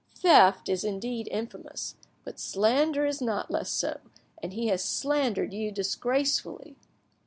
Theft is indeed infamous, but slander is not less so, and he has slandered you disgracefully.